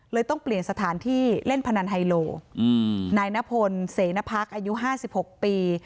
ต้องเปลี่ยนสถานที่เล่นพนันไฮโลนายนพลเสนพักอายุ๕๖ปี